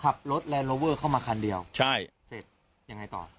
แลนดโลเวอร์เข้ามาคันเดียวใช่เสร็จยังไงต่อ